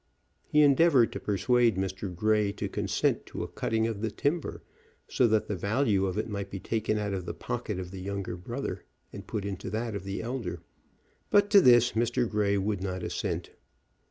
He endeavored to persuade Mr. Grey to consent to a cutting of the timber, so that the value of it might be taken out of the pocket of the younger brother and put into that of the elder. But to this Mr. Grey would not assent.